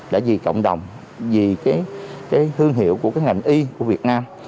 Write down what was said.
đã vì cộng đồng vì thương hiệu của ngành y của việt nam